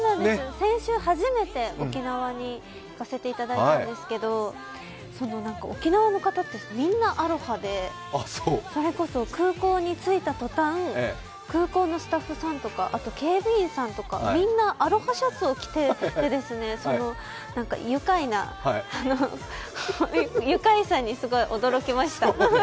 先週初めて、沖縄でさせていただいたんですけど沖縄の方ってみんなアロハで、それこそ空港に着いた途端空港のスタッフさんとか警備員さんとか、みんなアロハシャツを着ていて、愉快さに、すごい驚きました。